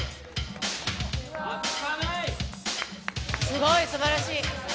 すごい、すばらしい。